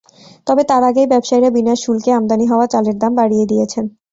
তবে তার আগেই ব্যবসায়ীরা বিনা শুল্কে আমদানি হওয়া চালের দাম বাড়িয়ে দিয়েছেন।